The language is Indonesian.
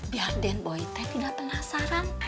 biar den boy teh tidak penasaran